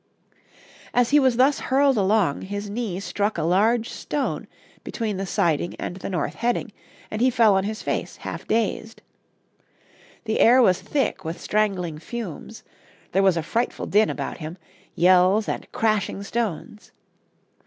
As he was thus hurled along his knee struck a large stone between the siding and the north heading, and he fell on his face, half dazed. The air was thick with strangling fumes, there was a frightful din about him yells and crashing stones.